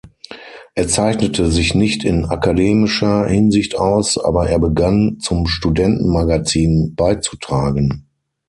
Er zeichnete sich nicht in akademischer Hinsicht aus, aber er begann, zum Studentenmagazin beizutragen.